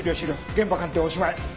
現場鑑定おしまい。